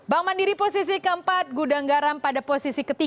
bank mandiri posisi ke empat gudang garam pada posisi ke tiga